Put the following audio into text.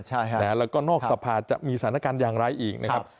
แล้วก็นอกสภาจะมีสถานการณ์อย่างไรอีกนะครับ